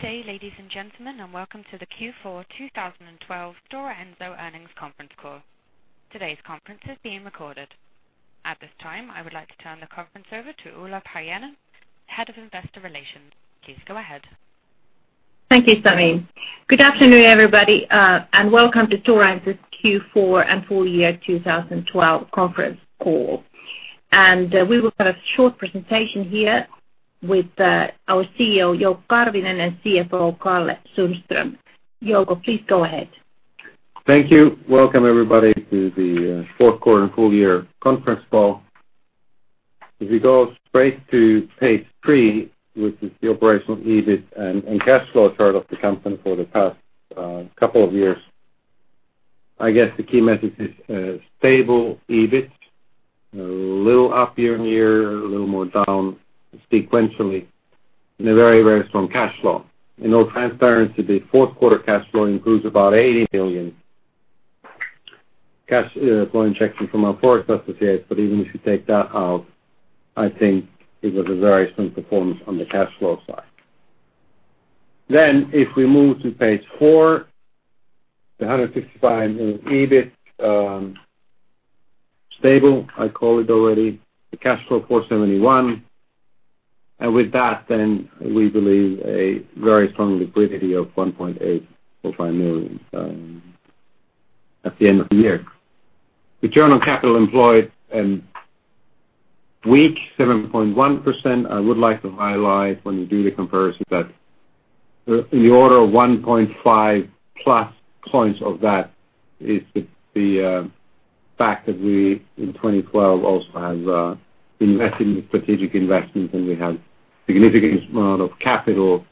Good day, ladies and gentlemen, and welcome to the Q4 2012 Stora Enso earnings conference call. Today's conference is being recorded. At this time, I would like to turn the conference over to Ulla Paajanen-Sainio, Head of Investor Relations. Please go ahead. Thank you, Samine. Good afternoon, everybody, and welcome to Stora Enso's Q4 and full year 2012 conference call. We will have a short presentation here with our CEO, Jouko Karvinen, and CFO, Karl-Henrik Sundström. Jouko, please go ahead. Thank you. Welcome, everybody, to the fourth quarter and full year conference call. If you go straight to page three, which is the operational EBIT and cash flow chart of the company for the past couple of years. I guess the key message is a stable EBIT, a little up year-on-year, a little more down sequentially, and a very, very strong cash flow. In all transparency, the fourth quarter cash flow includes about 80 million cash flow injection from our forest associates. Even if you take that out, I think it was a very strong performance on the cash flow side. If we move to page four, the 155 million EBIT, stable, I call it already. The cash flow 471. With that, we believe a very strong liquidity of 1.845 million at the end of the year. Return on capital employed and weak 7.1%. I would like to highlight when you do the comparison that the order of 1.5-plus points of that is the fact that we, in 2012, also have invested in strategic investments, and we have significant amount of capital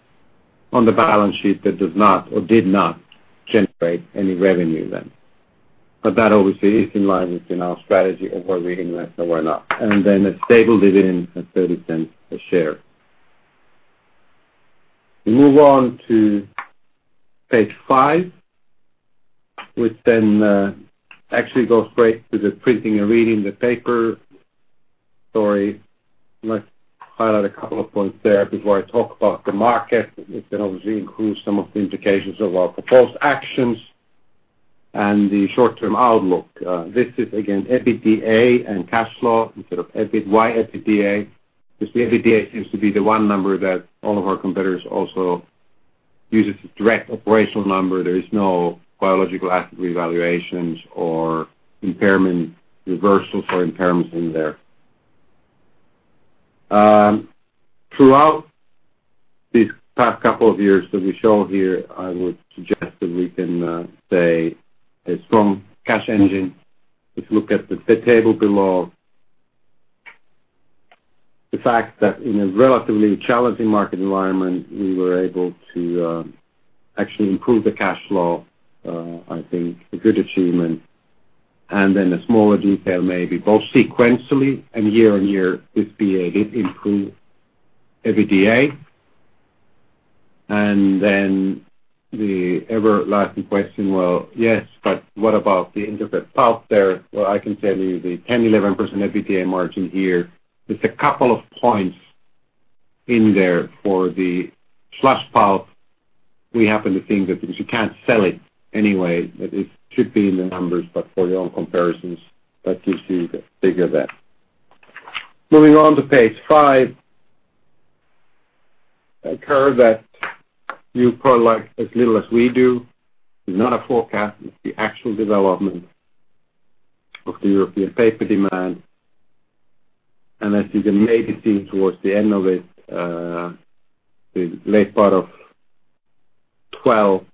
on the balance sheet that does not or did not generate any revenue then. That obviously is in line within our strategy of where we invest or not. A stable dividend at 0.30 a share. We move on to page five, which actually goes straight to the Printing and Reading the paper. Sorry. Let's highlight a couple of points there before I talk about the market, which obviously includes some of the implications of our proposed actions and the short-term outlook. This is again EBITDA and cash flow instead of EBIT. Why EBITDA? The EBITDA seems to be the one number that all of our competitors also use as a direct operational number. There is no biological asset revaluations or impairment reversals or impairments in there. Throughout these past couple of years that we show here, I would suggest that we can say a strong cash engine. If you look at the table below, the fact that in a relatively challenging market environment, we were able to actually improve the cash flow, I think a good achievement. A smaller detail, maybe both sequentially and year-on-year, we've been able to improve EBITDA. The everlasting question, "Yes, but what about the integrated pulp there?" I can tell you the 10%-11% EBITDA margin here. There are a couple of points in there for the fluff pulp. We happen to think that because you can't sell it anyway, that it should be in the numbers, but for your own comparisons, that gives you the figure there. Moving on to page five. A curve that you probably like as little as we do. It's not a forecast, it's the actual development of the European paper demand. As you can maybe see towards the end of it, the late part of 2012,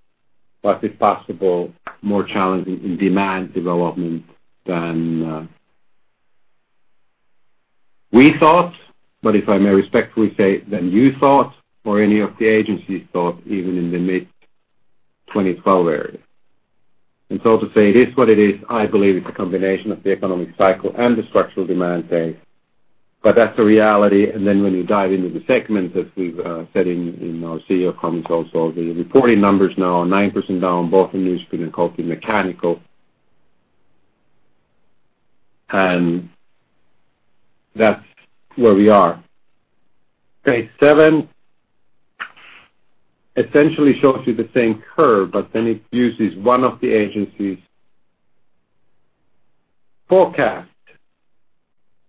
possibly possible, more challenging in demand development than we thought, but if I may respectfully say, than you thought or any of the agencies thought, even in the mid-2012 area. To say it is what it is, I believe it's a combination of the economic cycle and the structural demand phase, that's the reality. When you dive into the segment, as we've said in our CEO comments also, the reporting numbers now are 9% down both in newsprint and coated mechanical. That's where we are. Page seven essentially shows you the same curve, but then it uses one of the agencies' forecasts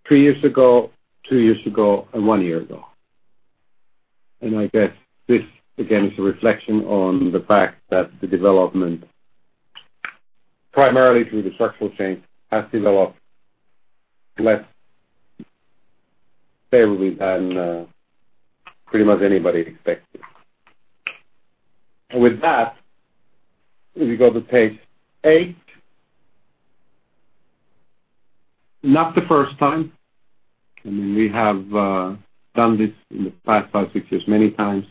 three years ago, two years ago, and one year ago. I guess this, again, is a reflection on the fact that the development, primarily through the structural change, has developed less favorably than pretty much anybody expected. With that, we go to page eight. Not the first time, we have done this in the past five, six years many times.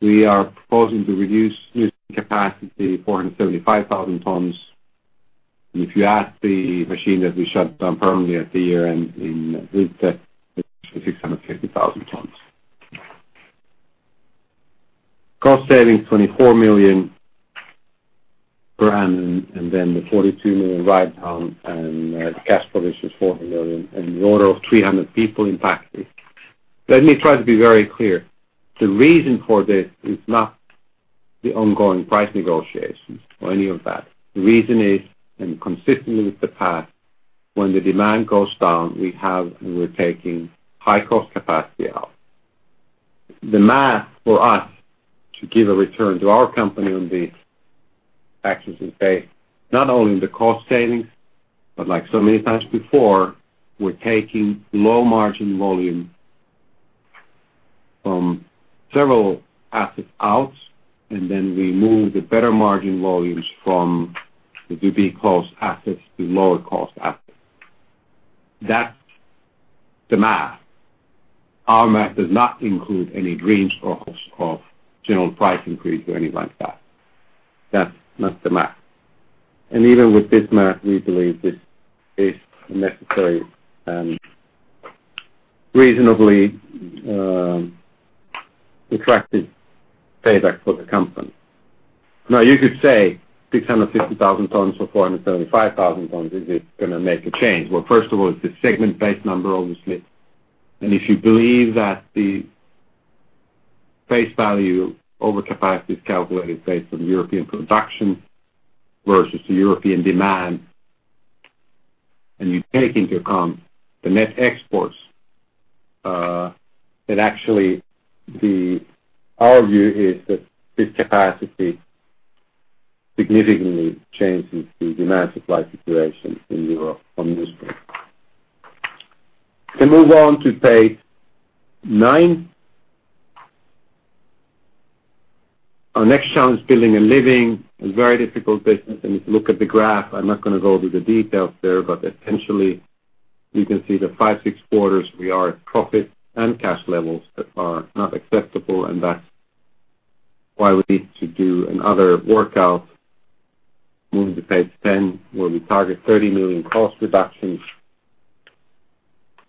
We are proposing to reduce newsprint capacity, 475,000 tons. If you add the machine that we shut down permanently at the year-end in Skutskär, it's 650,000 tons. Cost savings, 24 million. The 42 million write-down, the cash produce was 400 million, in order of 300 people impacted. Let me try to be very clear. The reason for this is not the ongoing price negotiations or any of that. The reason is, consistently with the past, when the demand goes down, we have and we're taking high-cost capacity out. The math for us to give a return to our company on these actions is based not only on the cost savings, like so many times before, we're taking low-margin volume from several assets out, we move the better margin volumes from the would-be close assets to lower cost assets. That's the math. Our math does not include any dreams of general price increase or anything like that. That's not the math. Even with this math, we believe this is a necessary and reasonably attractive payback for the company. You could say 650,000 tons or 475,000 tons, is this going to make a change? First of all, it's a segment-based number, obviously. If you believe that the face value overcapacity is calculated based on European production versus the European demand, and you take into account the net exports, actually, our view is that this capacity significantly changes the demand supply situation in Europe from this point. Move on to page nine. Our next challenge is Building and Living. A very difficult business. If you look at the graph, I'm not going to go through the details there, but essentially, you can see that five, six quarters, we are at profit and cash levels that are not acceptable. That's why we need to do another workout. Moving to page 10, where we target 30 million cost reductions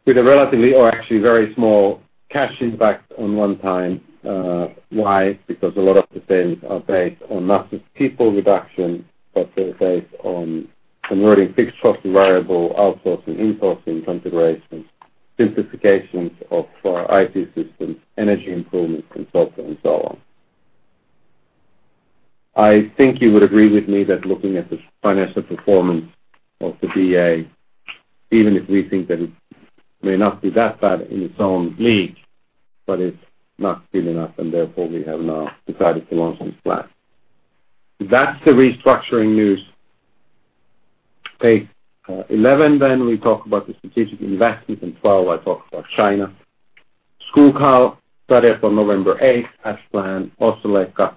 with a relatively or actually very small cash impact on one-time. Why? Because a lot of the savings are based on massive people reduction, they're based on converting fixed cost to variable outsourcing, insourcing configurations, simplifications of our IT systems, energy improvements, consulting, and so on. I think you would agree with me that looking at the financial performance of the DA, even if we think that it may not be that bad in its own league, it's not good enough. Therefore, we have now decided to launch some plans. That's the restructuring news. Page 11. We talk about the strategic investments. On page 12, I talk about China. Skoghall started up on November 8th, as planned. Ostrołęka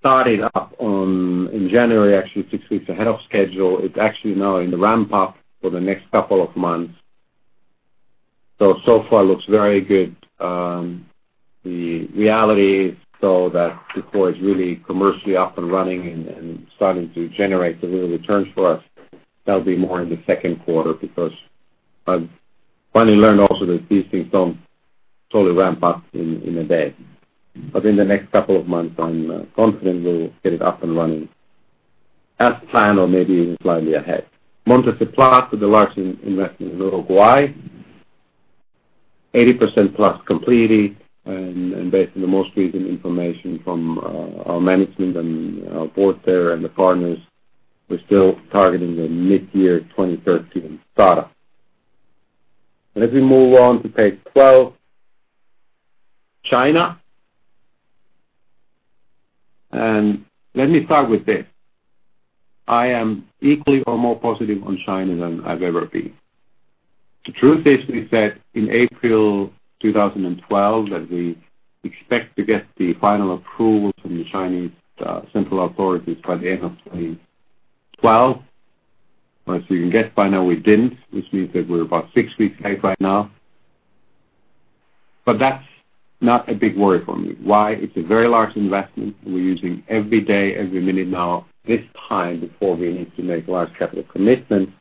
started up in January, actually six weeks ahead of schedule. It's actually now in the ramp-up for the next couple of months. So far, looks very good. The reality is, though, that before it's really commercially up and running and starting to generate the real returns for us, that'll be more in the second quarter, because I've finally learned also that these things don't totally ramp up in a day. In the next couple of months, I'm confident we'll get it up and running as planned or maybe even slightly ahead. Montes del Plata, the large investment in Uruguay, 80%+ completed, and based on the most recent information from our management and our board there and the partners, we're still targeting a mid-year 2013 start-up. Let me move on to page 12. China. Let me start with this. I am equally or more positive on China than I've ever been. The truth is we said in April 2012 that we expect to get the final approval from the Chinese central authorities by the end of 2012. As you can guess by now, we didn't, which means that we're about six weeks late right now. That's not a big worry for me. Why? It's a very large investment. We're using every day, every minute now, this time before we need to make large capital commitments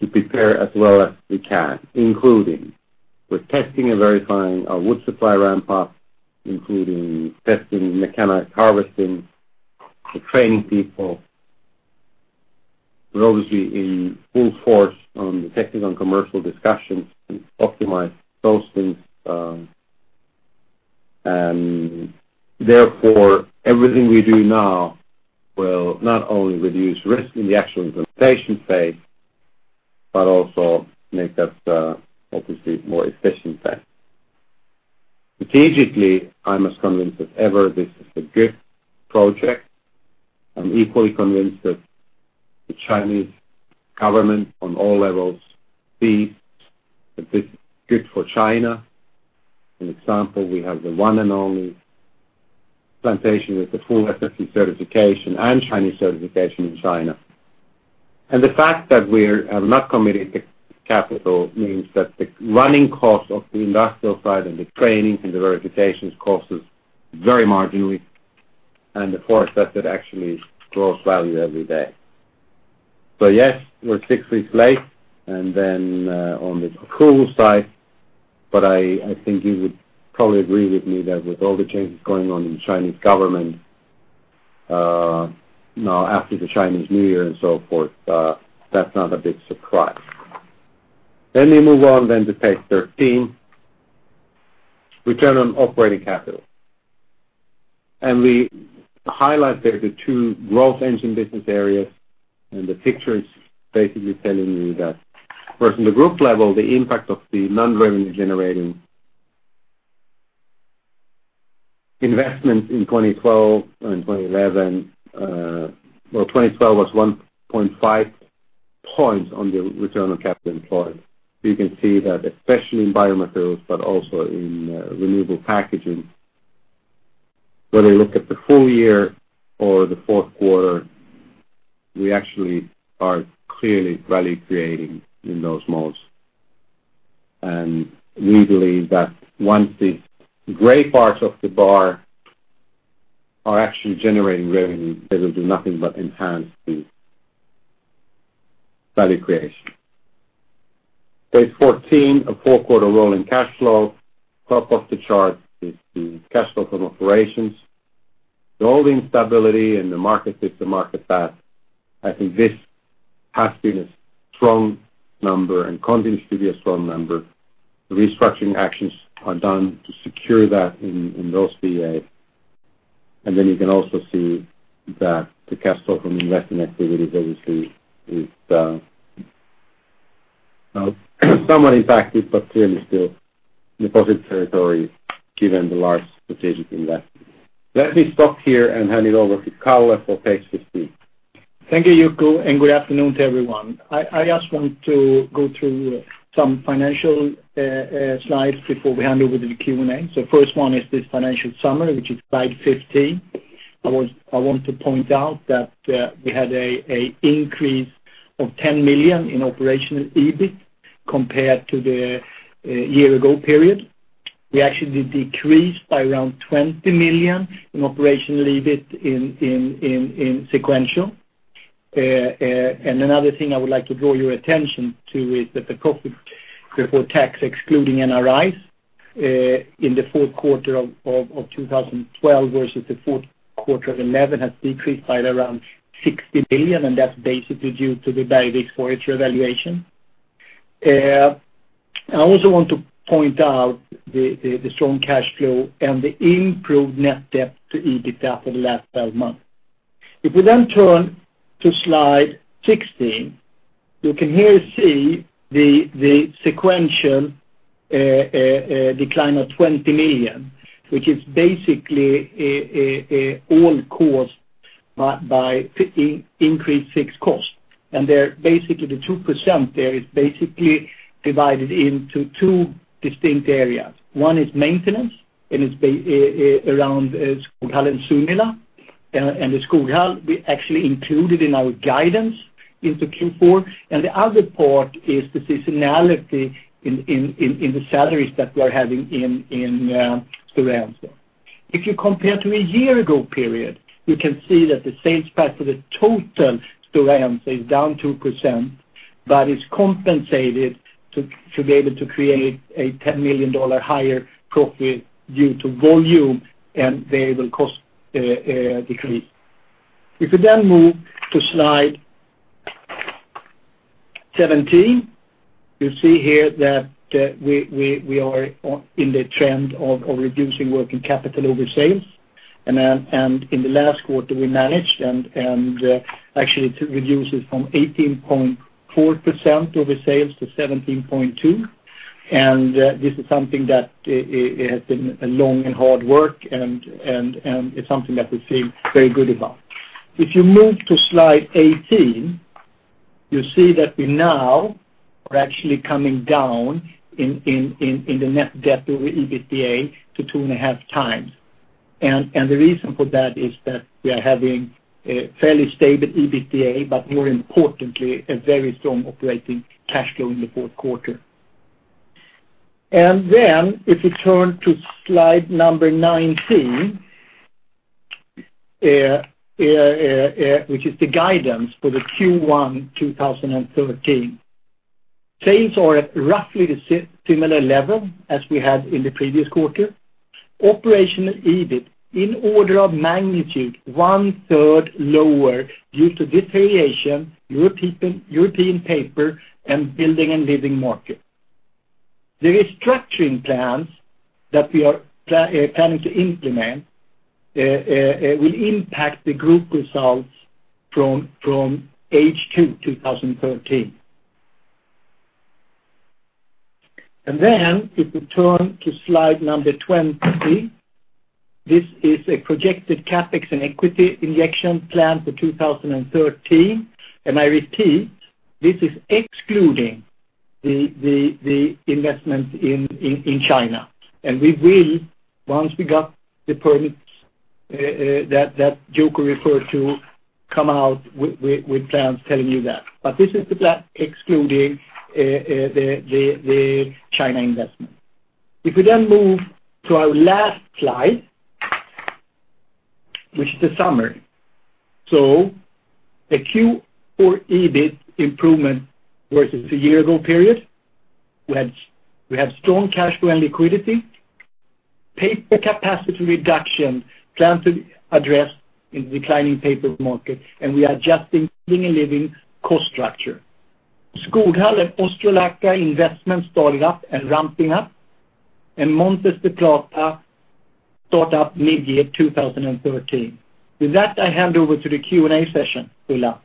to prepare as well as we can, including with testing and verifying our wood supply ramp-up, including testing mechanic harvesting, training people. We're obviously in full force on the technical and commercial discussions to optimize those things. Therefore, everything we do now will not only reduce risk in the actual implementation phase, but also make that obviously a more efficient plan. Strategically, I'm as convinced as ever this is a good project. I'm equally convinced that the Chinese government, on all levels, sees that this is good for China. An example, we have the one and only plantation with the full FSC certification and Chinese certification in China. The fact that we have not committed the capital means that the running cost of the industrial side and the training and the verifications cost us very marginally, and the forest, that actually grows value every day. Yes, we're six weeks late, and then on the cool side, but I think you would probably agree with me that with all the changes going on in the Chinese government, now after the Chinese New Year and so forth, that's not a big surprise. We move on to page 13, return on operating capital. We highlight there the two growth engine business areas, and the picture is basically telling you that. Of course, in the group level, the impact of the non-revenue generating investments in 2012 and 2011, well, 2012 was 1.5 points on the return on capital employed. You can see that especially in Biomaterials, but also in Renewable Packaging, whether you look at the full year or the fourth quarter, we actually are clearly value creating in those modes. We believe that once the gray parts of the bar are actually generating revenue, they will do nothing but enhance the value creation. Page 14, a four-quarter roll in cash flow. Top of the chart is the cash flow from operations. With all the instability in the market this and market that, I think this has been a strong number and continues to be a strong number. The restructuring actions are done to secure that in those VA. Then you can also see that the cash flow from investment activities obviously is somewhat impacted, but clearly still in a positive territory given the large strategic investment. Let me stop here and hand it over to Kalle for page 15. Thank you, Jouko, and good afternoon to everyone. I just want to go through some financial slides before we hand over to the Q&A. First one is this financial summary, which is slide 15. I want to point out that we had an increase of 10 million in operational EBIT compared to the year-ago period. We actually decreased by around 20 million in operational EBIT in sequential. Another thing I would like to draw your attention to is that the profit before tax, excluding NRIs, in the fourth quarter of 2012 versus the fourth quarter of 2011 has decreased by around 60 million, and that's basically due to the Bergvik forestry valuation. I also want to point out the strong cash flow and the improved net debt to EBITDA for the last 12 months. If we turn to slide 16, you can here see the sequential decline of 20 million, which is basically all caused by increased fixed costs. They're basically the 2% there is basically divided into two distinct areas. One is maintenance, and it's around Skoghall and Sunila. The Skoghall, we actually included in our guidance into Q4. The other part is the seasonality in the salaries that we're having in Stora Enso. If you compare to a year-ago period, you can see that the sales price for the total Stora Enso is down 2%, but it's compensated to be able to create a EUR 10 million higher profit due to volume, and variable cost decrease. If we move to slide 17, you see here that we are in the trend of reducing working capital over sales. In the last quarter, we managed, and actually it reduces from 18.4% of the sales to 17.2%. This is something that has been a long and hard work, and it's something that we feel very good about. If you move to slide 18, you see that we now are actually coming down in the net debt over EBITDA to 2.5 times. The reason for that is that we are having a fairly stable EBITDA, but more importantly, a very strong operating cash flow in the fourth quarter. If we turn to slide number 19, which is the guidance for the Q1 2013. Sales are at roughly the similar level as we had in the previous quarter. Operational EBIT, in order of magnitude, one-third lower due to deterioration, European paper, and Building and Living market. The restructuring plans that we are planning to implement will impact the group results from H2 2013. If we turn to slide number 20, this is a projected CapEx and equity injection plan for 2013. I repeat, this is excluding the investment in China. We will, once we got the permits that Jouko referred to, come out with plans telling you that. This is the plan excluding the China investment. If we move to our last slide which is the summary. A Q4 EBIT improvement versus a year-ago period. We have strong cash flow and liquidity. Paper capacity reduction plan to address in the declining paper market, and we are adjusting and leaving cost structure. Skoghall and Ostrołęka investments started up and ramping up, and Montes del Plata start up mid-year 2013. With that, I hand over to the Q&A session. Ulla?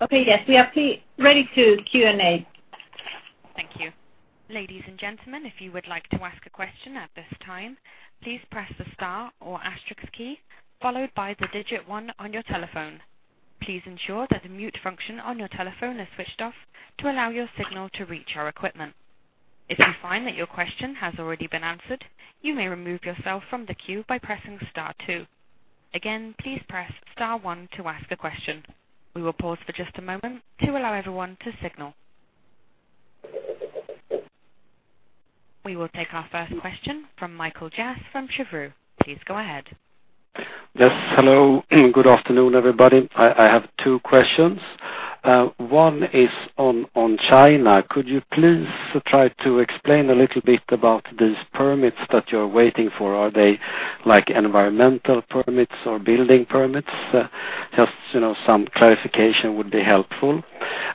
Okay, yes. We are ready to Q&A. Thank you. Ladies and gentlemen, if you would like to ask a question at this time, please press the star or asterisk key, followed by the digit one on your telephone. Please ensure that the mute function on your telephone is switched off to allow your signal to reach our equipment. If you find that your question has already been answered, you may remove yourself from the queue by pressing star two. Again, please press star one to ask a question. We will pause for just a moment to allow everyone to signal. We will take our first question from Mikael Järv from Cheuvreux. Please go ahead. Yes, hello. Good afternoon, everybody. I have two questions. One is on China. Could you please try to explain a little bit about these permits that you're waiting for? Are they environmental permits or building permits? Just some clarification would be helpful.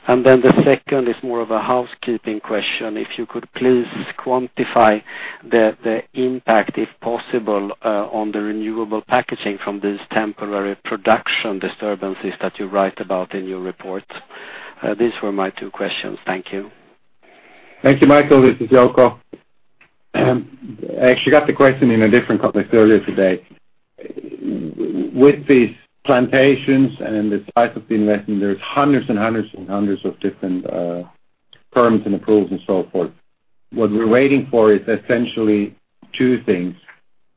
Then the second is more of a housekeeping question. If you could please quantify the impact, if possible, on the Renewable Packaging from these temporary production disturbances that you write about in your report. These were my two questions. Thank you. Thank you, Mikael. This is Jouko. I actually got the question in a different context earlier today. With these plantations and the type of investment, there's hundreds and hundreds and hundreds of different permits and approvals and so forth. What we're waiting for is essentially two things.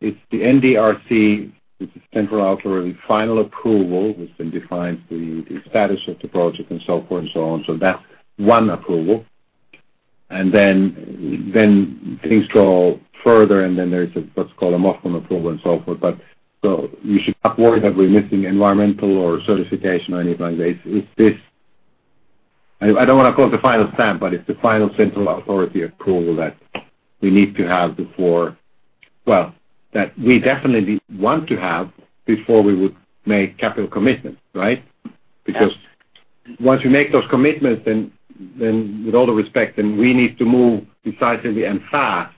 It's the NDRC, which is central authority, final approval, which then defines the status of the project and so forth and so on. That's one approval. Then things go further, and then there's what's called a MOFCOM approval and so forth. You should not worry that we're missing environmental or certification or anything like that. I don't want to call it the final stamp, but it's the final central authority approval that we definitely want to have before we would make capital commitments, right? Once you make those commitments, then with all due respect, then we need to move decisively and fast.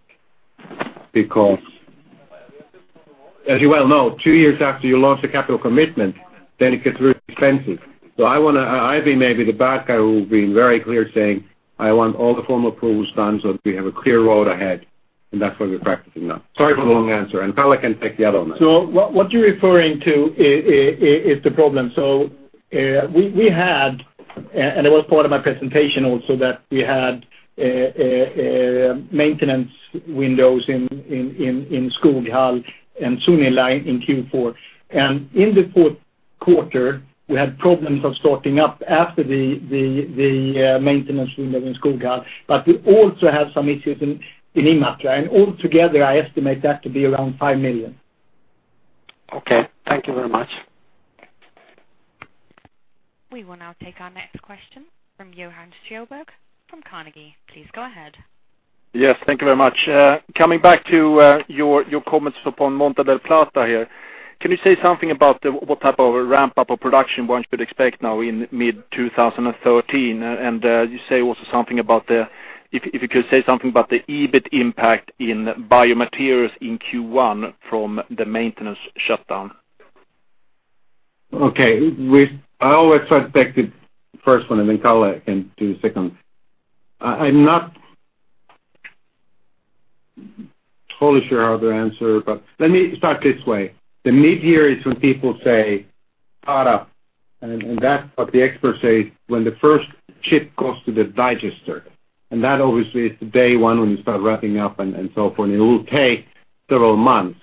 As you well know, two years after you launch a capital commitment, then it gets very expensive. I will be maybe the bad guy who's being very clear, saying, "I want all the formal approvals done so that we have a clear road ahead," and that's what we're practicing now. Sorry for the long answer, and Kalle can take the other one. What you're referring to is the problem. We had, and it was part of my presentation also, that we had maintenance windows in Skoghall and Sunila in Q4. In the fourth quarter, we had problems of starting up after the maintenance window in Skoghall, but we also have some issues in Imatra, and altogether, I estimate that to be around 5 million. Okay. Thank you very much. We will now take our next question from Johan Stjernberg from Carnegie. Please go ahead. Yes, thank you very much. Coming back to your comments upon Montes del Plata here. Can you say something about what type of a ramp-up of production one should expect now in mid-2013? And if you could say something about the EBIT impact in Biomaterials in Q1 from the maintenance shutdown. Okay. I always try to take the first one, then Kalle can do the second. I'm not totally sure how to answer, let me start this way. The mid-year is when people say "Product," that's what the experts say when the first chip goes to the digester, that obviously is the day one when you start ramping up and so forth, it will take several months.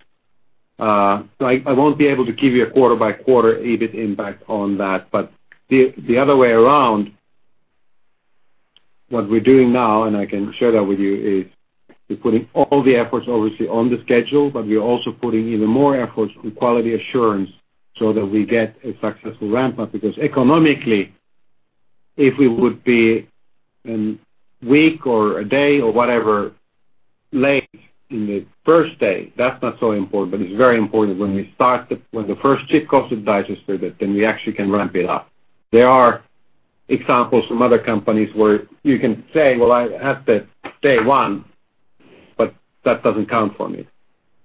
I won't be able to give you a quarter-by-quarter EBIT impact on that. The other way around, what we're doing now, I can share that with you, is we're putting all the efforts obviously on the schedule, we are also putting even more efforts on quality assurance so that we get a successful ramp-up. Economically, if we would be a week or a day or whatever late in the first day, that's not so important. It's very important when the first chip goes to the digester that then we actually can ramp it up. There are examples from other companies where you can say, "Well, I have the day one," but that doesn't count for me.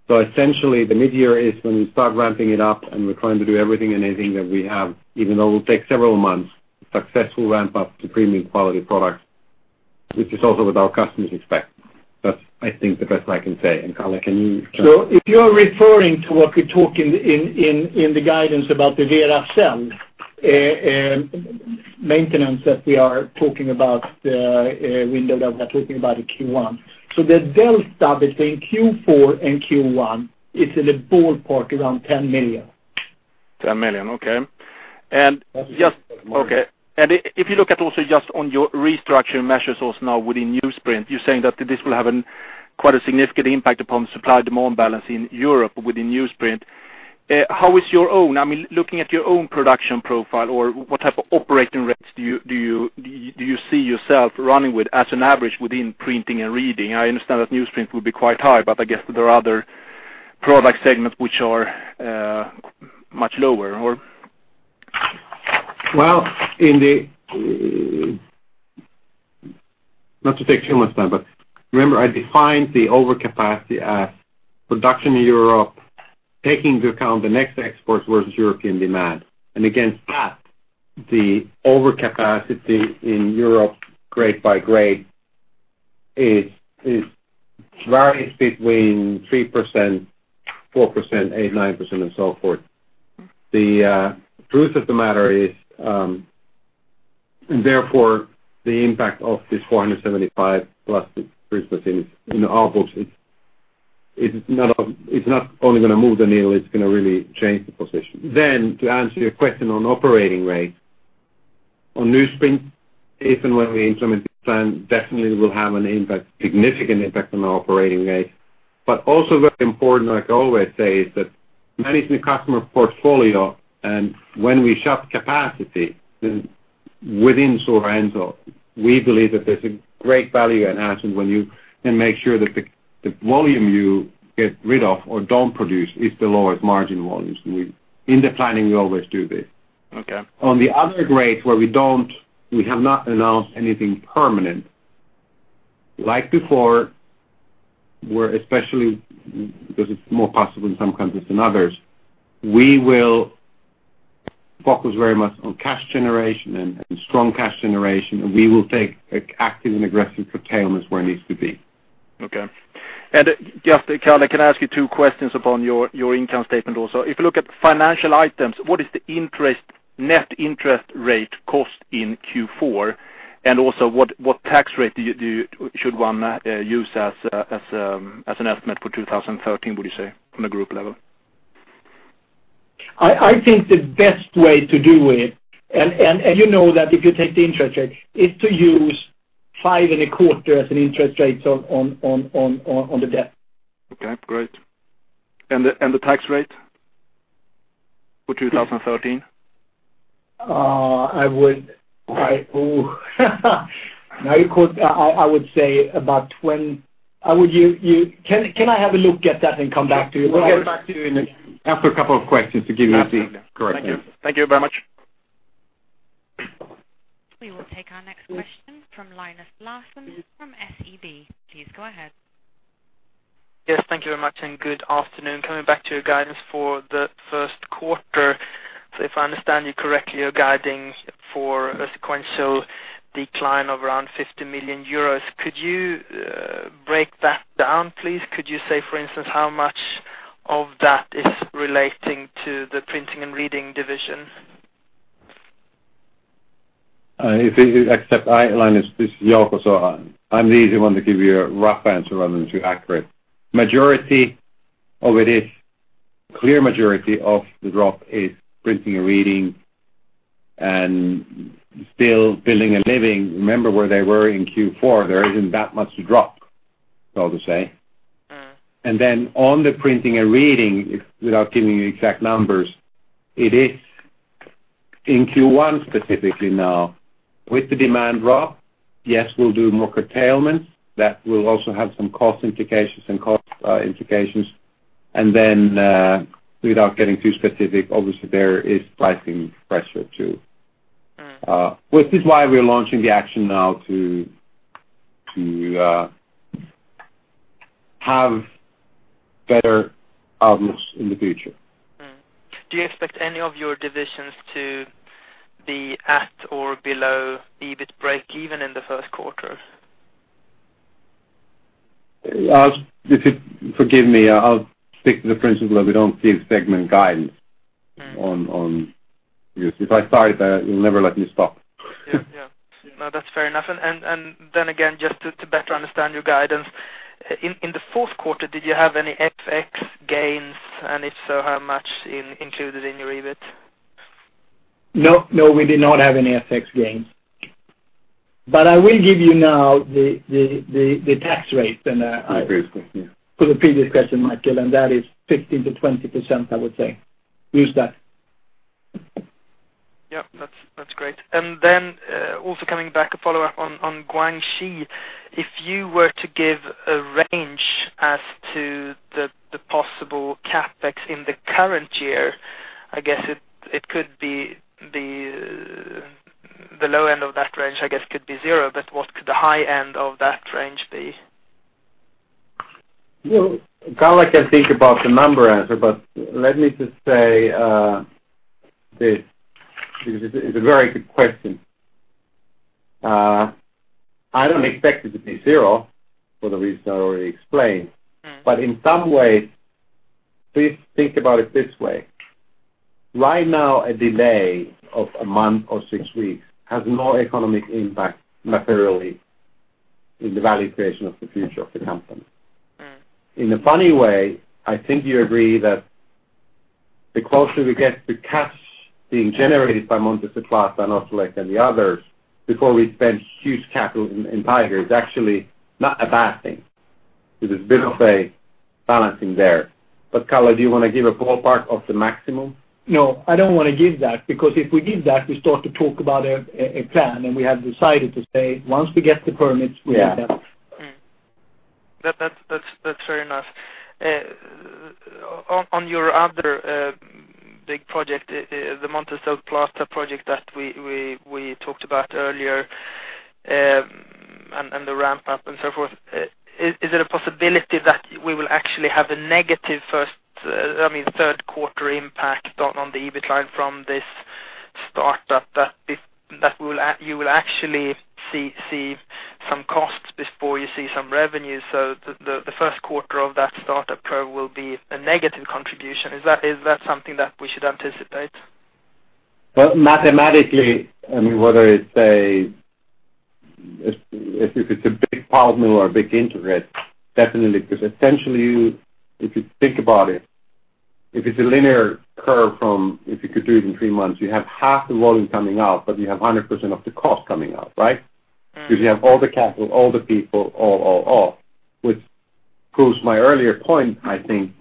Essentially, the mid-year is when we start ramping it up, we're trying to do everything and anything that we have, even though it will take several months to successfully ramp up to premium quality products, which is also what our customers expect. That's, I think, the best I can say. Kalle, can you- If you're referring to what we talk in the guidance about the Veracel maintenance that we are talking about, the window that we are talking about in Q1. The delta between Q4 and Q1, it's in the ballpark around 10 million. 10 million, okay. If you look at also just on your restructuring measures also now within newsprint, you're saying that this will have quite a significant impact upon the supply demand balance in Europe within newsprint. How is your own production profile, or what type of operating rates do you see yourself running with as an average within Printing and Reading? I understand that newsprint will be quite high, but I guess there are other product segments which are much lower. Well, not to take too much time, but remember I defined the over capacity as production in Europe, taking into account the next exports versus European demand. Against that, the over capacity in Europe grade by grade varies between 3%, 4%, 8%, 9%, and so forth. The truth of the matter is, therefore the impact of this 475 plus Skutskär in our books is it's not only going to move the needle, it's going to really change the position. To answer your question on operating rates. On newsprint, if and when we implement this plan, definitely will have a significant impact on our operating rate, but also very important, like I always say, is that managing the customer portfolio and when we shop capacity within Stora Enso, we believe that there's a great value enhancement when you can make sure that the volume you get rid of or don't produce is the lowest margin volumes. In the planning, we always do this. Okay. On the other grades where we have not announced anything permanent, like before, where especially because it's more possible in some countries than others, we will focus very much on cash generation and strong cash generation. We will take an active and aggressive curtailment where it needs to be. Okay. Just, Kalle, can I ask you two questions upon your income statement also? If you look at financial items, what is the net interest rate cost in Q4? Also what tax rate should one use as an estimate for 2013, would you say, from a group level? I think the best way to do it, you know that if you take the interest rate, is to use five and a quarter as an interest rate on the debt. Okay, great. The tax rate for 2013? I would say about 20. Can I have a look at that and come back to you? We'll get back to you after a couple of questions to give you the correct answer. Thank you very much. We will take our next question from Linus Larsson from SEB. Please go ahead. Yes, thank you very much, and good afternoon. Coming back to your guidance for the first quarter. If I understand you correctly, you're guiding for a sequential decline of around 50 million euros. Could you break that down, please? Could you say, for instance, how much of that is relating to the Printing and Reading division? Linus, this is Jouko. I'm the easy one to give you a rough answer rather than too accurate. Majority of it, clear majority of the drop is Printing and Reading and still Building and Living. Remember where they were in Q4. There isn't that much to drop, so to say. On the Printing and Reading, without giving you exact numbers, it is in Q1 specifically now with the demand drop, yes, we'll do more curtailment. That will also have some cost implications. Without getting too specific, obviously there is pricing pressure too. Which is why we are launching the action now to have better outlooks in the future. Do you expect any of your divisions to be at or below EBIT break even in the first quarter? If you forgive me, I'll stick to the principle that we don't give segment guidance on this. If I started, you'll never let me stop. Yeah. No, that's fair enough. Again, just to better understand your guidance. In the fourth quarter, did you have any FX gains? If so, how much included in your EBIT? No, we did not have any FX gains. I will give you now the tax rate for the previous question, and that is 15%-20%, I would say. Use that. Yep, that's great. Also coming back, a follow-up on Guangxi. If you were to give a range as to the possible CapEx in the current year, I guess it could be the low end of that range, I guess could be zero, but what could the high end of that range be? Kalle can think about the number answer, but let me just say this, because it's a very good question. I don't expect it to be zero for the reason I already explained. In some ways, please think about it this way. Right now, a delay of a month or six weeks has no economic impact materially in the value creation of the future of the company. In a funny way, I think you agree that the closer we get to cash being generated by Montes del Plata and Ostrołęka and the others before we spend huge capital in Tiger, it's actually not a bad thing. There's a bit of a balancing there. Kalle, do you want to give a ballpark of the maximum? No, I don't want to give that, because if we give that, we start to talk about a plan, and we have decided to say, once we get the permits, we get that. Yeah. That's fair enough. On your other big project, the Montes del Plata project that we talked about earlier, and the ramp up and so forth, is there a possibility that we will actually have a negative first, third quarter impact on the EBIT line from this startup, that you will actually see some costs before you see some revenue? The first quarter of that startup curve will be a negative contribution. Is that something that we should anticipate? Well, mathematically, whether if it's a big pulp mill or a big integrate, definitely. Essentially, if you think about it, if it's a linear curve from, if you could do it in three months, you have half the volume coming out, but you have 100% of the cost coming out, right? You have all the capital, all the people. Which proves my earlier point, I think,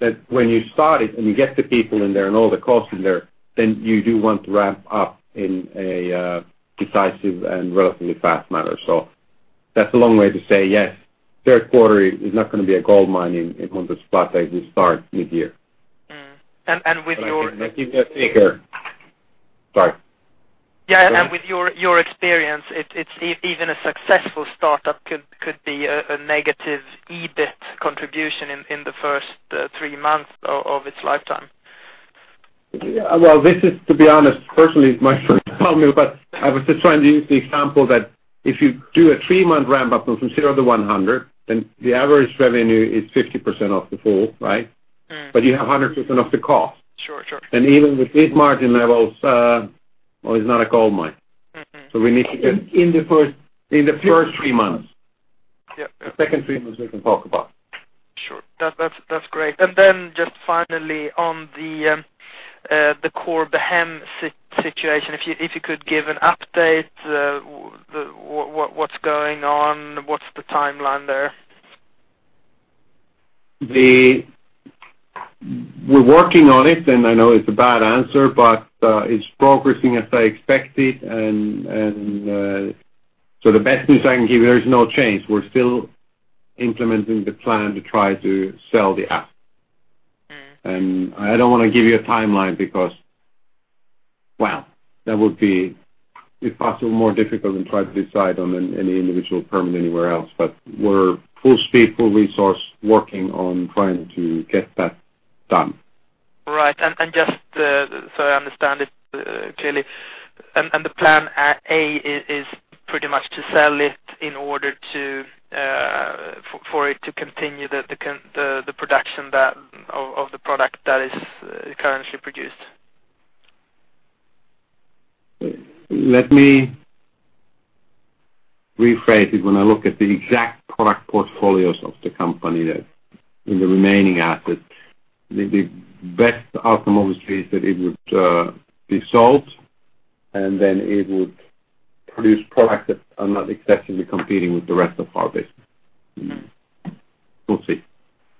that when you start it and you get the people in there and all the costs in there, then you do want to ramp up in a decisive and relatively fast manner. That's a long way to say, yes, third quarter is not going to be a goldmine in Montes del Plata if we start mid-year. Mm. And with your- I think that's fair. Sorry. Yeah. With your experience, even a successful startup could be a negative EBIT contribution in the first three months of its lifetime. Well, this is, to be honest, personally, it's my first pulp mill. I was just trying to use the example that if you do a three-month ramp-up from zero to 100, the average revenue is 50% of the full, right? You have 100% of the cost. Sure. Even with these margin levels, well, it's not a goldmine. We need to get in the first three months. Yep. The second three months we can talk about. Sure. That's great. Just finally on the Corbehem situation, if you could give an update, what's going on? What's the timeline there? We're working on it, I know it's a bad answer, it's progressing as I expected. The best news I can give you, there is no change. We're still implementing the plan to try to sell the asset. I don't want to give you a timeline because, wow, that would be, if possible, more difficult than trying to decide on any individual permit anywhere else. We're full speed, full resource, working on trying to get that done. Right. Just so I understand it clearly, the plan A is pretty much to sell it in order for it to continue the production of the product that is currently produced? Let me rephrase it. When I look at the exact product portfolios of the company there, in the remaining assets, the best outcome obviously is that it would be sold, then it would produce products that are not exactly competing with the rest of our business. We'll see.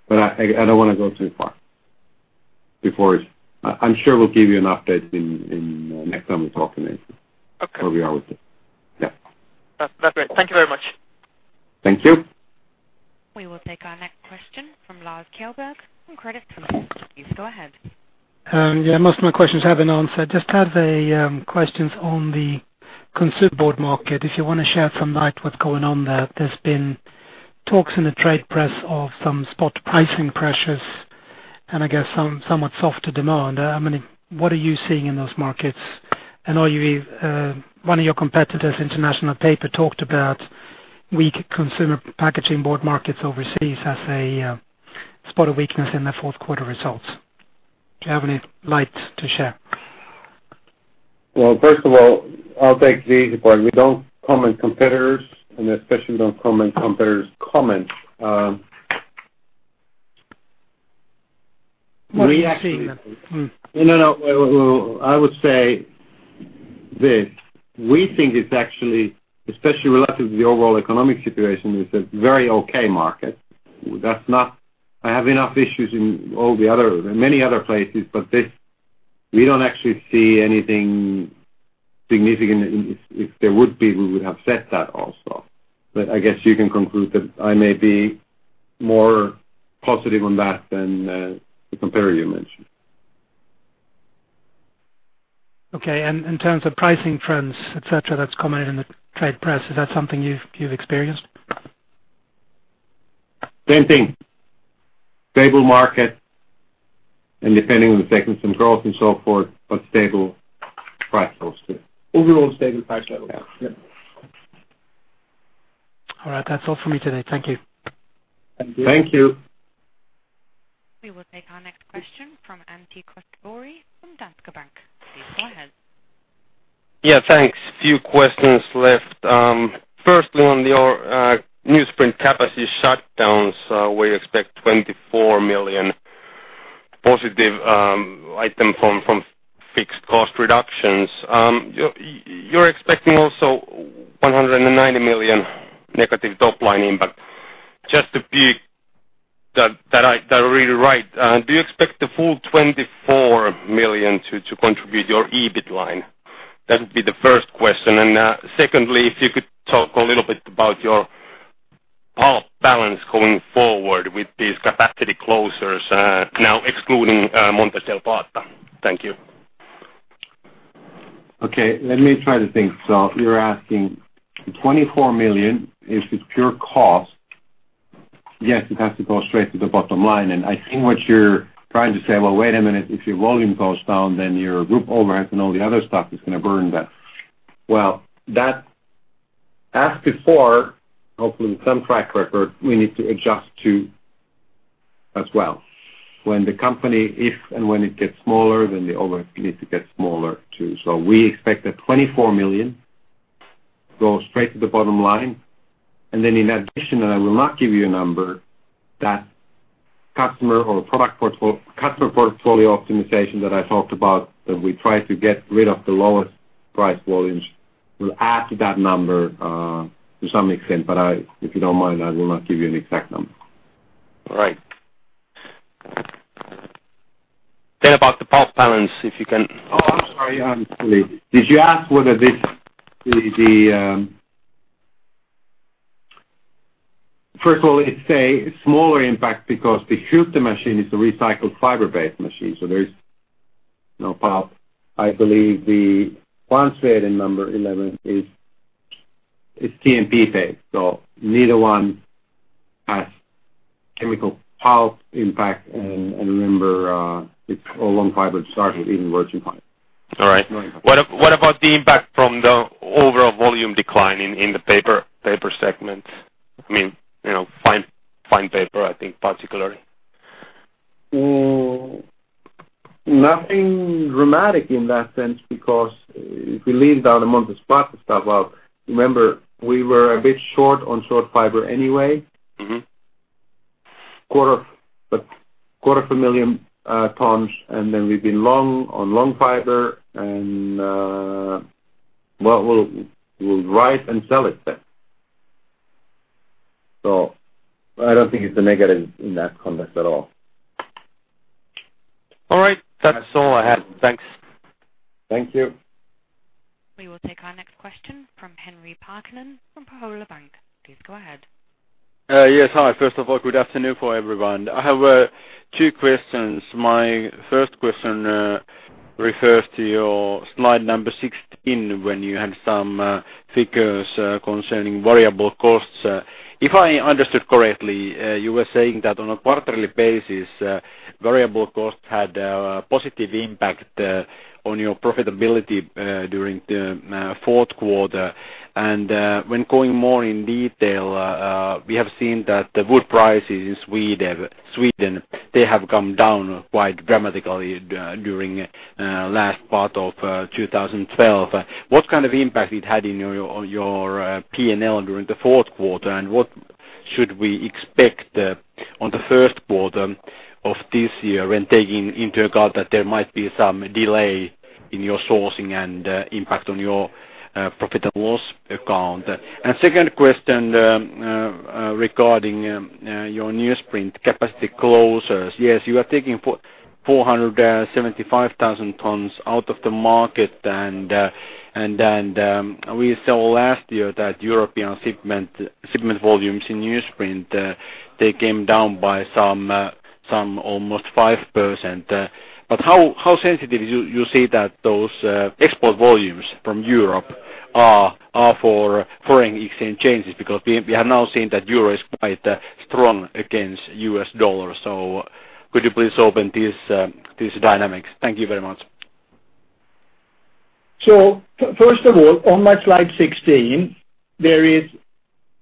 I don't want to go too far before it's I'm sure we'll give you an update in next time we talk, Linus. Okay. Where we are with it. Yep. That's great. Thank you very much. Thank you. We will take our next question from Lars Kjellberg from Credit Suisse. Please go ahead. Yeah, most of my questions have been answered. Just have a questions on the consumer board market. If you want to shed some light what's going on there. There's been talks in the trade press of some spot pricing pressures, and I guess somewhat softer demand. What are you seeing in those markets? One of your competitors, International Paper, talked about weak consumer packaging board markets overseas as a spot of weakness in their fourth quarter results. Do you have any light to share? Well, first of all, I'll take the easy part. We don't comment competitors, and especially don't comment competitors' comments. What are you seeing then? I would say this, we think it's actually, especially relative to the overall economic situation, it's a very okay market. I have enough issues in many other places, but this, we don't actually see anything significant. If there would be, we would have said that also. I guess you can conclude that I may be more positive on that than the competitor you mentioned. In terms of pricing trends, et cetera, that's commented in the trade press, is that something you've experienced? Same thing. Stable market, depending on the segment, some growth and so forth, stable price levels too. Overall stable price levels. Yeah. All right. That's all from me today. Thank you. Thank you. We will take our next question from Antti Koskela from Danske Bank. Please go ahead. Yeah, thanks. Few questions left. Firstly, on your newsprint capacity shutdowns, where you expect 24 million positive item from fixed cost reductions. You're expecting also 190 million negative top-line impact. Did I read it right? Do you expect the full 24 million to contribute your EBIT line? That would be the first question. Secondly, if you could talk a little bit about your pulp balance going forward with these capacity closures now excluding Montes del Plata pulp. Thank you. Okay, let me try to think. You're asking 24 million, if it's pure cost, yes, it has to go straight to the bottom line. I think what you're trying to say, wait a minute, if your volume goes down, then your group overhead and all the other stuff is going to burn that. That, as before, hopefully some track record we need to adjust too as well. When the company is and when it gets smaller, then the overhead needs to get smaller too. We expect that 24 million goes straight to the bottom line. Then in addition, and I will not give you a number, that customer or product portfolio optimization that I talked about, that we try to get rid of the lowest price volumes will add to that number, to some extent. If you don't mind, I will not give you an exact number. About the pulp balance, if you can- I'm sorry. Did you ask whether this First of all, it's a smaller impact because the Skutskär machine is a recycled fiber-based machine, so there is no pulp. I believe the Kvarnsveden number 11 is TMP-based. Neither one has chemical pulp impact. Remember, it's all long fiber to start with, even virgin fiber. All right. What about the impact from the overall volume decline in the paper segment? Fine paper, I think particularly. Nothing dramatic in that sense, because if you leave out the Montes del Plata stuff out, remember, we were a bit short on short fiber anyway. Quarter of a million tons, and then we've been long on long fiber, and we'll dry it and sell it then. I don't think it's a negative in that context at all. All right. That's all I had. Thanks. Thank you. We will take our next question from Henri Parkkinen from Pohjola Bank. Please go ahead. Yes, hi. First of all, good afternoon for everyone. I have two questions. My first question refers to your slide number 16 when you had some figures concerning variable costs. When going more in detail, we have seen that the wood prices in Sweden, they have come down quite dramatically during last part of 2012. What kind of impact it had in your P&L during the fourth quarter, and what should we expect on the first quarter of this year when taking into account that there might be some delay in your sourcing and impact on your profit and loss account? Second question regarding your newsprint capacity closures. Yes, you are taking 475,000 tons out of the market. We saw last year that European shipment volumes in newsprint, they came down by some almost 5%. How sensitive you see that those export volumes from Europe are for foreign exchange changes? We have now seen that euro is quite strong against US dollar. Could you please open these dynamics? Thank you very much. First of all, on my slide 16, there is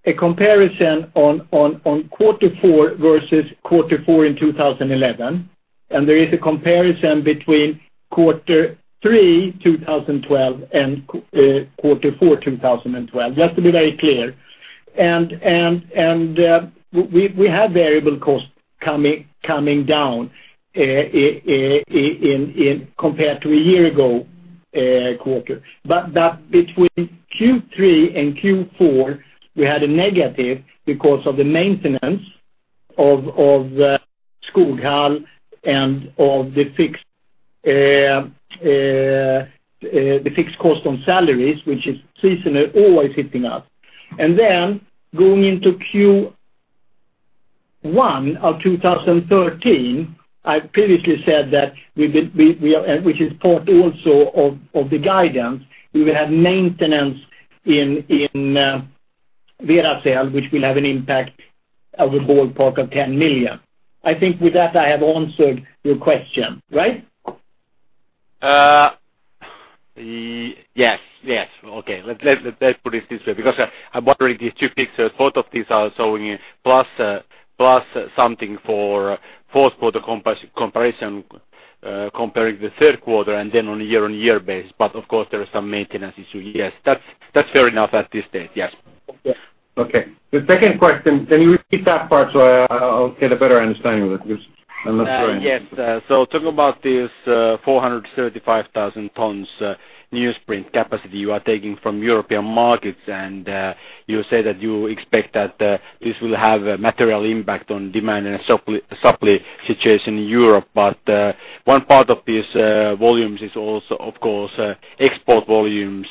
a comparison on Q4 versus Q4 2011, and there is a comparison between Q3 2012 and Q4 2012, just to be very clear. We have variable cost coming down compared to a year ago quarter. Between Q3 and Q4, we had a negative because of the maintenance of Skoghall and of the fixed cost on salaries, which is seasonal, always hitting us. Going into Q1 2013, I previously said that we will, which is part also of the guidance, we will have maintenance in Veracel, which will have an impact of a ballpark of 10 million. I think with that, I have answered your question, right? Yes. Okay. Let's put it this way, because I'm wondering, these two pictures, both of these are showing plus something for Q4 comparing the Q3, and then on a year-over-year base. Of course, there are some maintenance issues. Yes. That's fair enough at this stage. Yes. Okay. The second question, can you repeat that part so I'll get a better understanding of it? Because I'm not sure I understand. Yes. Talk about this 475,000 tons newsprint capacity you are taking from European markets. You say that you expect that this will have a material impact on demand and supply situation in Europe. One part of these volumes is also, of course, export volumes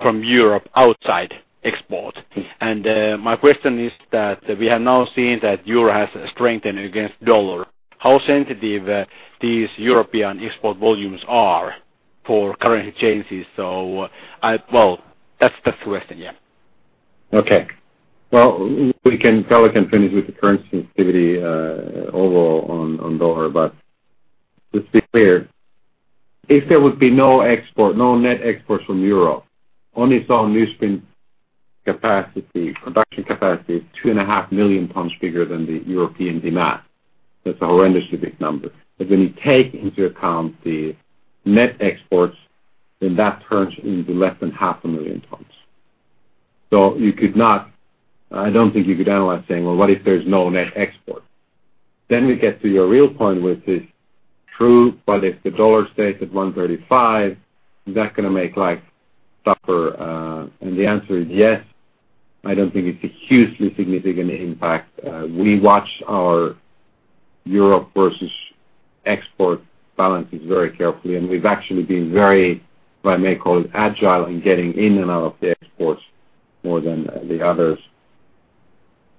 from Europe outside export. My question is that we have now seen that euro has strengthened against dollar, how sensitive these European export volumes are for currency changes. That's the question, yeah. Well, we can probably continue with the currency sensitivity overall on dollar. Just to be clear, if there would be no net exports from Europe, only saw newsprint production capacity of 2.5 million tons bigger than the European demand. That's a horrendously big number. When you take into account the net exports, then that turns into less than 0.5 million tons. I don't think you could analyze saying, "Well, what if there's no net export?" We get to your real point, which is true, but if the dollar stays at 135, is that going to make life tougher? The answer is yes. I don't think it's a hugely significant impact. We watch our Europe versus export balances very carefully. We've actually been very, if I may call it, agile in getting in and out of the exports more than the others.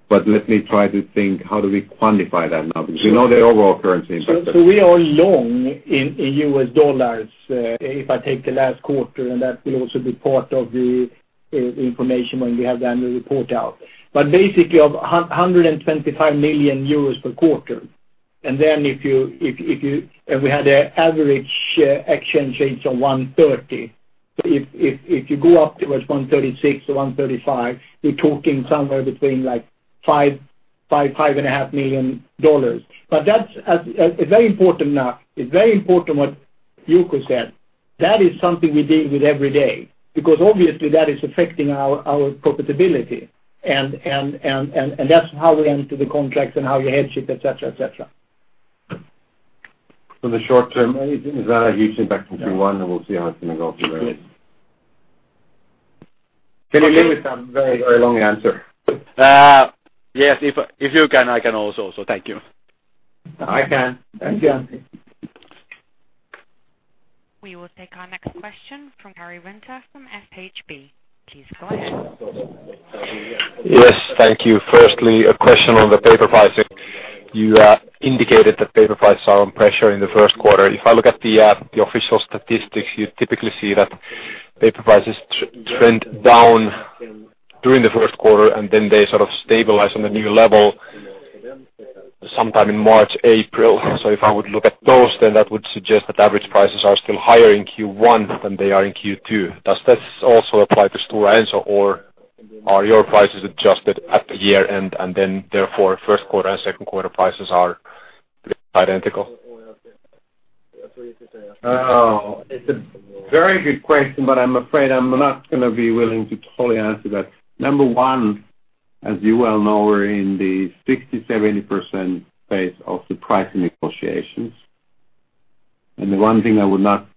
Let me try to think, how do we quantify that now? Because we know the overall currency impact. We are long in US dollars, if I take the last quarter. That will also be part of the information when we have the annual report out. Basically of 125 million euros per quarter, we had an average exchange rates of 130. If you go up towards 136 or 135, you're talking somewhere between $5.5 million. It's very important what Jouko said. That is something we deal with every day, because obviously that is affecting our profitability, and that's how we enter the contracts and how you hedge it, et cetera. For the short term, is that a huge impact in Q1? We'll see how it's going to go through the rest. Can you live with that very long answer? Yes. If you can, I can also. Thank you. I can. Thank you. We will take our next question from Harri Taittonen from SHB. Please go ahead. Yes. Thank you. Firstly, a question on the paper prices. You indicated that paper prices are under pressure in the first quarter. If I look at the official statistics, you typically see that paper prices trend down during the first quarter, and then they sort of stabilize on the new level sometime in March, April. If I would look at those, then that would suggest that average prices are still higher in Q1 than they are in Q2. Does this also apply to Stora Enso, or are your prices adjusted at the year-end, and then therefore first quarter and second quarter prices are identical? It's a very good question. I'm afraid I'm not going to be willing to totally answer that. Number 1, as you well know, we're in the 60%-70% phase of the pricing negotiations. The one thing I would not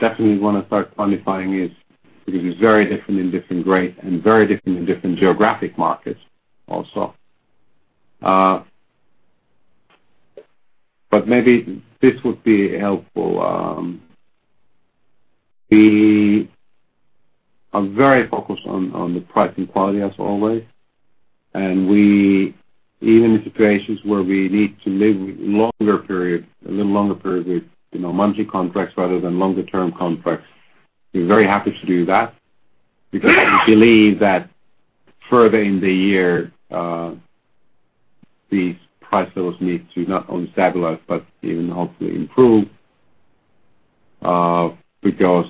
definitely want to start quantifying is, because it's very different in different grades and very different in different geographic markets also. Maybe this would be helpful. We are very focused on the price and quality as always. Even in situations where we need to live a little longer period with monthly contracts rather than longer term contracts, we're very happy to do that because we believe that further in the year these price levels need to not only stabilize but even hopefully improve because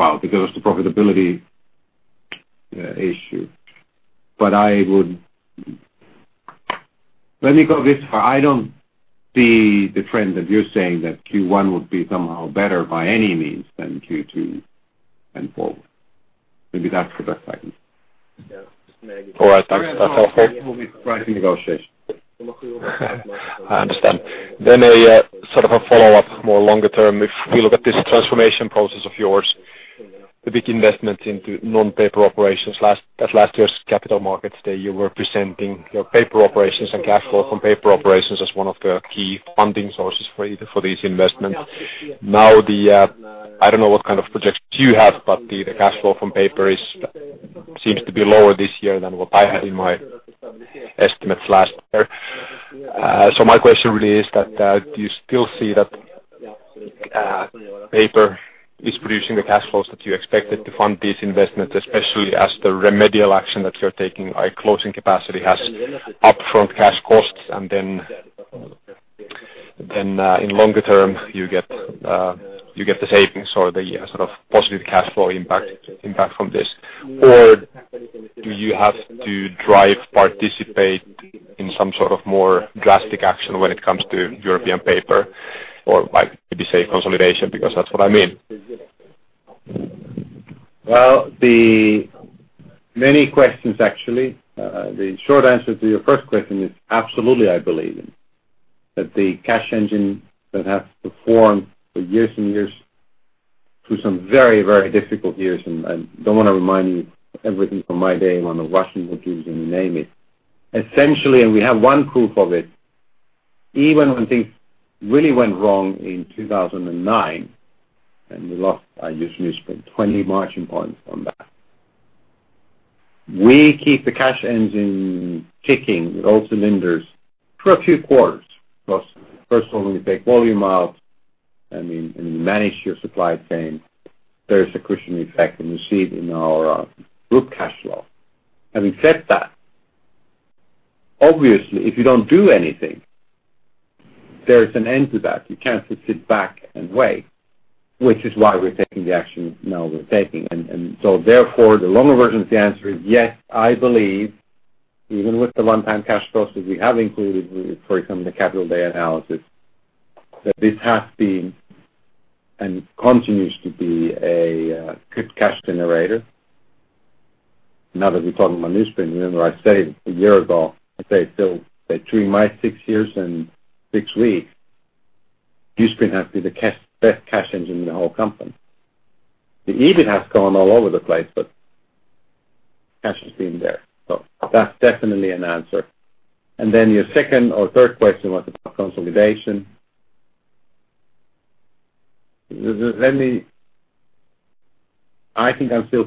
the profitability issue. Let me go this far. I don't see the trend that you're saying that Q1 would be somehow better by any means than Q2 and forward. Maybe that's the best I can say. All right. That's helpful. Pricing negotiation. I understand. A sort of a follow-up, more longer term. If we look at this transformation process of yours, the big investment into non-paper operations. At last year's Capital Markets Day, you were presenting your paper operations and cash flow from paper operations as one of the key funding sources for these investments. Now, I don't know what kind of projections you have, but the cash flow from paper seems to be lower this year than what I had in my estimates last year. My question really is that, do you still see that paper is producing the cash flows that you expected to fund these investments, especially as the remedial action that you're taking by closing capacity has upfront cash costs, and then in longer term, you get the savings or the sort of positive cash flow impact from this. Do you have to drive, participate in some sort of more drastic action when it comes to European paper or maybe say consolidation? That's what I mean. Well, many questions actually. The short answer to your first question is absolutely I believe it. The cash engine that has performed for years and years through some very difficult years, I don't want to remind you everything from my day on the Russian wood duties, you name it. Essentially, we have one proof of it. Even when things really went wrong in 2009, we lost, I just released 20 margin points from that. We keep the cash engine ticking with all cylinders for a few quarters, first of all, when you take volume out and you manage your supply chain, there is a cushion effect, you see it in our group cash flow. Having said that, obviously, if you don't do anything, there is an end to that. You can't just sit back and wait, which is why we're taking the action now we're taking. Therefore, the longer version of the answer is yes, I believe, even with the one-time cash flows that we have included, for example, the Capital Day analysis, that this has been and continues to be a good cash generator. Now that we're talking about newsprint, remember I said a year ago, between my six years and six weeks, newsprint has to be the best cash engine in the whole company. The EBIT has gone all over the place, cash has been there. That's definitely an answer. Your second or third question was about consolidation. I think I'm still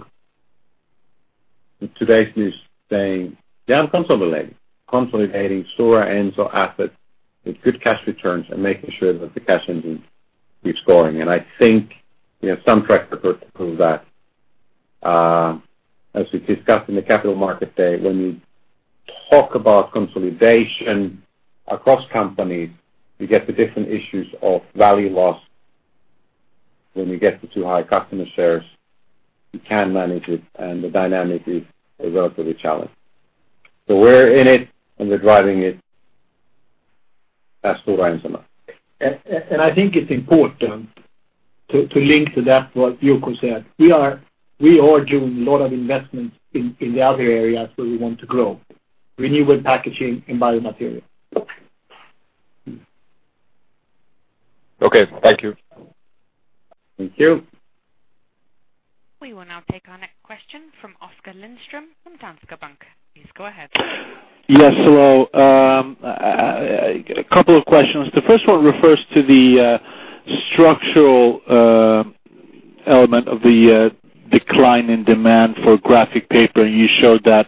today saying, yeah, I'm consolidating. Consolidating Stora Enso assets with good cash returns and making sure that the cash engine keeps going. I think we have some track record to prove that. As we discussed in the Capital Markets Day, when you talk about consolidation across companies, you get the different issues of value loss. When you get to too high customer shares, you can manage it, and the dynamic is relatively challenged. We're in it, and we're driving it as Stora Enso now. I think it's important to link to that what Jouko said. We are doing a lot of investments in the other areas where we want to grow. Renewable packaging and Biomaterials. Okay. Thank you. Thank you. We will now take our next question from Oskar Lindström from Swedbank. Please go ahead. Yes, hello. A couple of questions. The first one refers to the structural element of the decline in demand for graphic paper. You showed that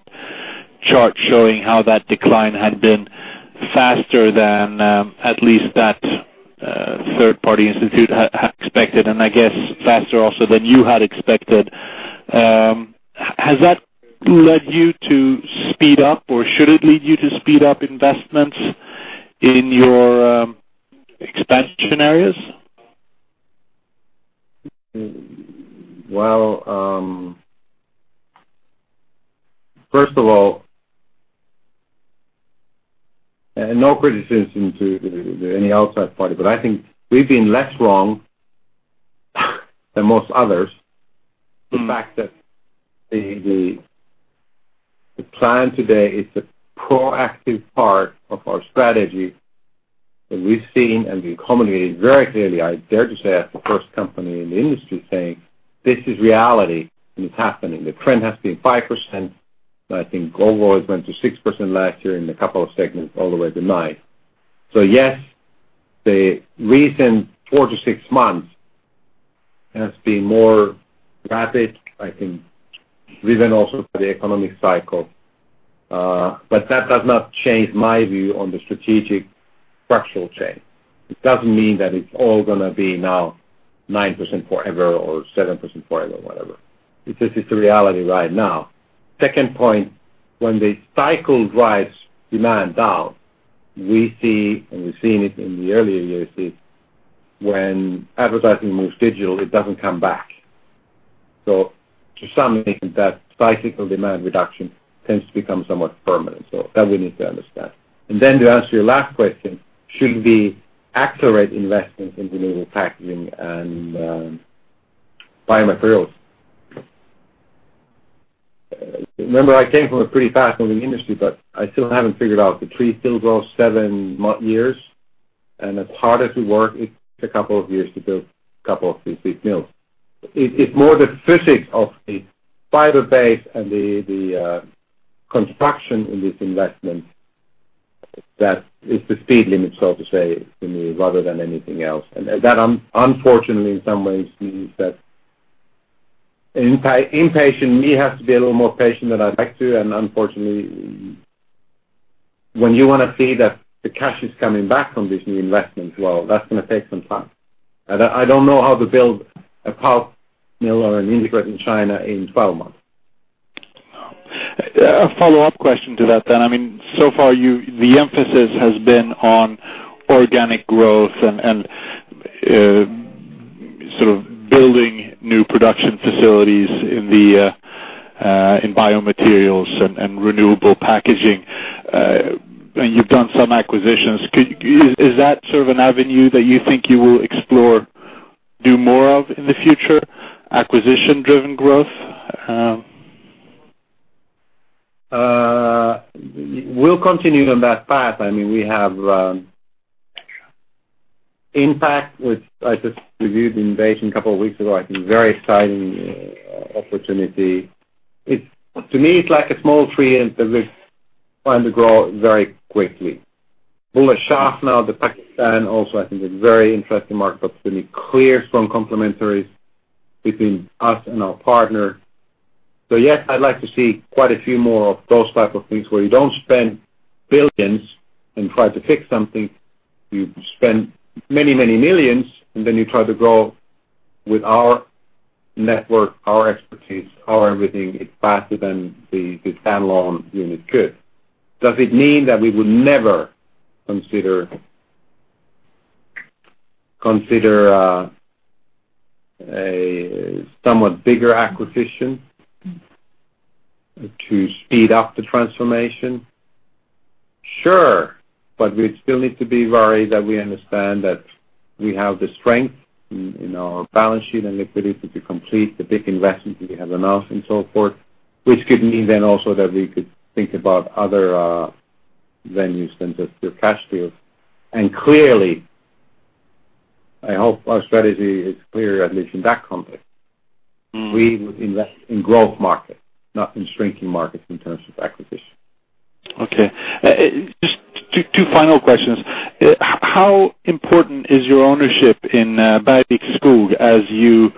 chart showing how that decline had been faster than at least that third party institute expected, and I guess faster also than you had expected. Has that led you to speed up, or should it lead you to speed up investments in your expansion areas? Well, first of all, no criticism to any outside party, I think we've been less wrong than most others. The fact that the plan today is the proactive part of our strategy that we've seen and we communicated very clearly, I dare to say as the first company in the industry saying, this is reality and it's happening. The trend has been 5%, I think overall it went to 6% last year in a couple of segments all the way to nine. Yes, the recent four to six months has been more rapid, I think driven also by the economic cycle. That does not change my view on the strategic structural change. It doesn't mean that it's all going to be now 9% forever or 7% forever or whatever. It is the reality right now. Second point, when the cycle drives demand down, we see and we've seen it in the earlier years, when advertising moves digital, it doesn't come back. To some extent, that cyclical demand reduction tends to become somewhat permanent. That we need to understand. Then to answer your last question, should we accelerate investments in renewable packaging and biomaterials? Remember, I came from a pretty fast-moving industry, I still haven't figured out the tree still grows seven years, as hard as we work, it's a couple of years to build a couple of these big mills. It's more the physics of the fiber base and the construction in this investment that is the speed limit, so to say, for me, rather than anything else. That, unfortunately, in some ways means that impatient me has to be a little more patient than I'd like to. When you want to see that the cash is coming back from these new investments, well, that's going to take some time. I don't know how to build a pulp mill or an integrated mill in China in 12 months. No. A follow-up question to that. Far, the emphasis has been on organic growth and building new production facilities in biomaterials and renewable packaging. You've done some acquisitions. Is that sort of an avenue that you think you will explore, do more of in the future? Acquisition-driven growth? We'll continue on that path. We have Inpac, which I just reviewed in Beijing a couple of weeks ago. I think very exciting opportunity. To me, it's like a small tree in the woods trying to grow very quickly. Bulleh Shah Packaging now in Pakistan also, I think a very interesting market opportunity. Clear, strong complementary between us and our partner. Yes, I'd like to see quite a few more of those type of things, where you don't spend billions and try to fix something. You spend many millions, and then you try to grow with our network, our expertise, our everything. It's faster than the standalone unit could. Does it mean that we would never consider a somewhat bigger acquisition to speed up the transformation? Sure. We still need to be very that we understand that we have the strength in our balance sheet and liquidity to complete the big investments we have announced and so forth, which could mean then also that we could think about other venues than just pure cash deals. Clearly, I hope our strategy is clear, at least in that context. We would invest in growth markets, not in shrinking markets in terms of acquisition. Okay. Just two final questions. How important is your ownership in Bergvik Skog as you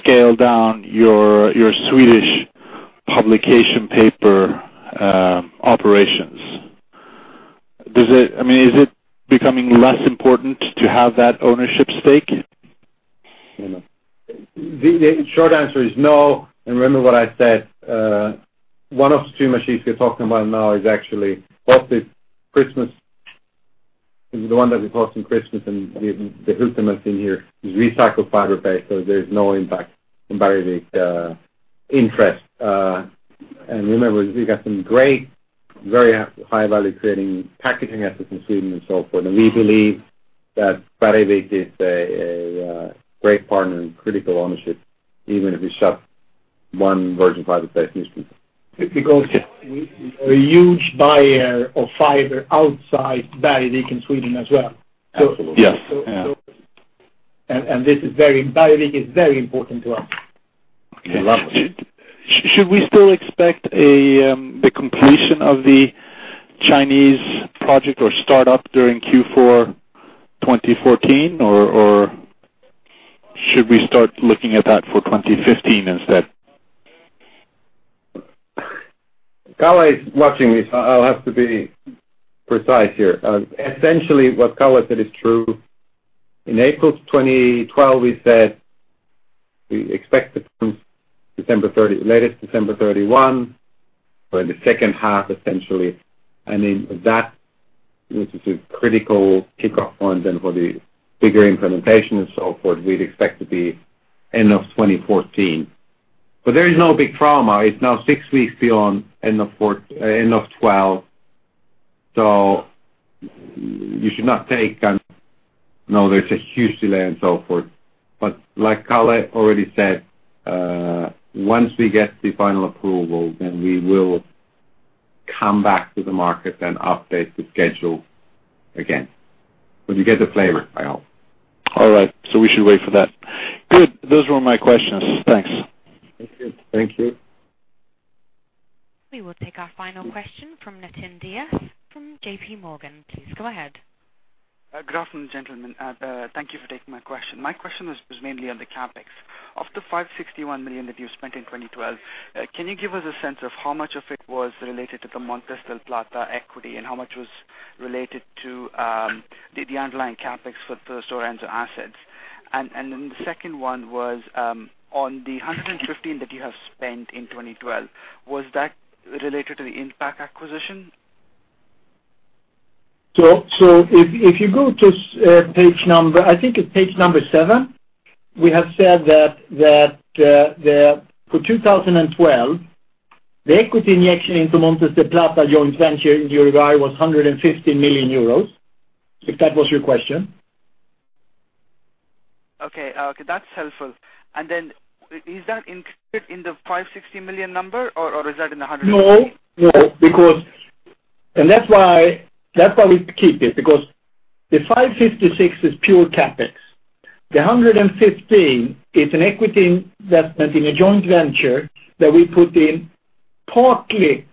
scale down your Swedish publication paper operations? Is it becoming less important to have that ownership stake? The short answer is no. Remember what I said. One of the two machines we are talking about now is actually bought in Skutskär. The one that we bought in Skutskär, the ultimate thing here is recycled fiber-based. There's no impact on Bergvik interest. Remember, we got some great, very high value-creating packaging assets in Sweden and so forth. We believe that Bergvik is a great partner in critical ownership, even if we shut one virgin fiber-based newspaper. Because we are a huge buyer of fiber outside Bergvik in Sweden as well. Absolutely. Yes. Bergvik is very important to us. Okay. Lovely. Should we still expect the completion of the Chinese project or startup during Q4 2014, or should we start looking at that for 2015 instead? Kalle is watching this. I'll have to be precise here. Essentially, what Kalle said is true. In April 2012, we said we expect it from latest December 31 or in the second half, essentially. That, which is a critical kickoff point then for the bigger implementation and so forth, we'd expect to be end of 2014. There is no big trauma. It's now six weeks beyond end of 2012. You should not take and know there's a huge delay and so forth. Like Kalle already said, once we get the final approval, then we will come back to the market and update the schedule again. You get the flavor, I hope. All right. We should wait for that. Good. Those were my questions. Thanks. Thank you. Thank you. We will take our final question from Natin Diaz from JPMorgan. Please go ahead. Good afternoon, gentlemen. Thank you for taking my question. My question was mainly on the CapEx. Of the 561 million that you spent in 2012, can you give us a sense of how much of it was related to the Montes del Plata equity, and how much was related to the underlying CapEx for the Stora Enso assets? The second one was, on the 115 that you have spent in 2012, was that related to the Inpac acquisition? If you go to, I think it's page number seven, we have said that for 2012, the equity injection into Montes del Plata joint venture in Uruguay was 115 million euros, if that was your question. Okay. That's helpful. Is that included in the 560 million number, or is that in the 150? No. That's why we keep it, because the 556 is pure CapEx. The 115 is an equity investment in a joint venture that we put in partly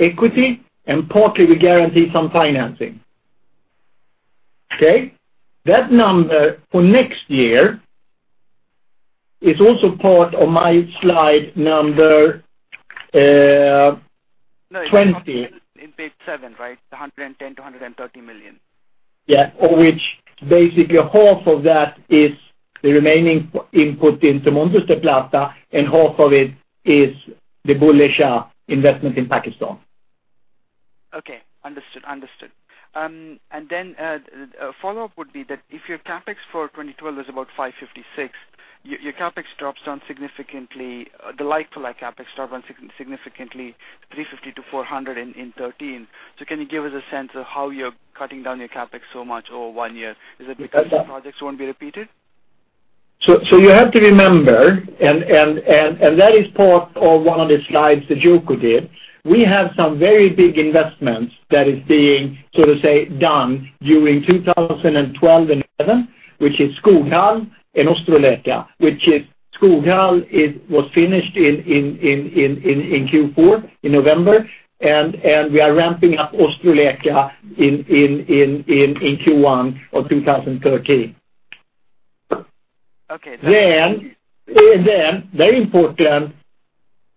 equity and partly we guarantee some financing. Okay. That number for next year is also part of my slide 20. In page seven, right? The 110 million-130 million. Yeah. Which basically half of that is the remaining input into Montes del Plata, and half of it is the Bulleh Shah investment in Pakistan. Okay. Understood. Then a follow-up would be that if your CapEx for 2012 is about 556, your like-to-like CapEx drops down significantly, 350-400 in 2013. Can you give us a sense of how you're cutting down your CapEx so much over one year? Is it because the projects won't be repeated? You have to remember, and that is part of one of the slides that Jouko did. We have some very big investments that is being, so to say, done during 2012 and 2011, which is Skoghall and Ostrołęka. Which Skoghall was finished in Q4, in November, and we are ramping up Ostrołęka in Q1 of 2013. Okay. Very important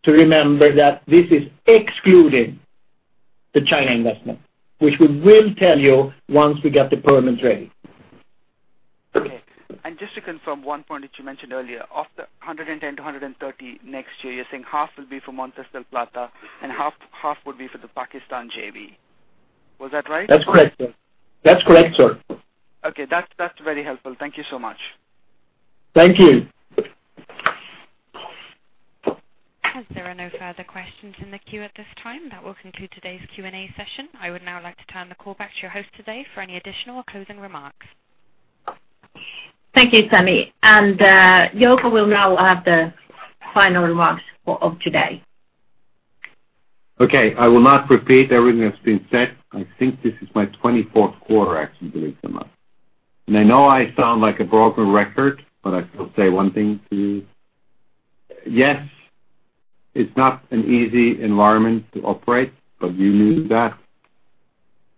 to remember that this is excluding the China investment, which we will tell you once we get the permits ready. Okay. Just to confirm one point that you mentioned earlier. Of the 110-130 next year, you are saying half will be for Montes del Plata and half would be for the Pakistan JV. Was that right? That's correct, sir. Okay. That's very helpful. Thank you so much. Thank you. There are no further questions in the queue at this time, that will conclude today's Q&A session. I would now like to turn the call back to your host today for any additional closing remarks. Thank you, Samine, and Jouko will now have the final remarks of today. Okay. I will not repeat everything that's been said. I think this is my 24th quarter, actually, believe it or not. I know I sound like a broken record, but I will say one thing to you. Yes, it's not an easy environment to operate, but you knew that,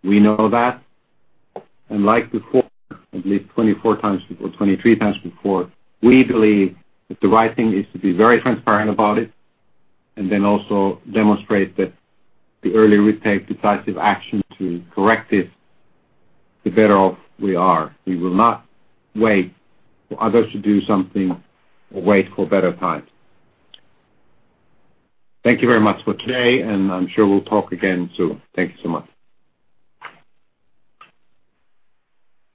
we know that. Like before, at least 24 times before, 23 times before, we believe that the right thing is to be very transparent about it, and then also demonstrate that the earlier we take decisive action to correct it, the better off we are. We will not wait for others to do something or wait for better times. Thank you very much for today, and I'm sure we'll talk again soon. Thank you so much.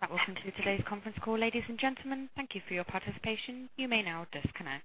That will conclude today's conference call. Ladies and gentlemen, thank you for your participation. You may now disconnect.